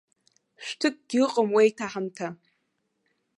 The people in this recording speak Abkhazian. Шәҭыкгьы ыҟам уеиҭаҳамҭа.